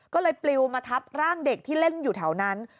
ก็เลยปลิวมาทับร่างเด็กที่เล่นอยู่แถวนั้น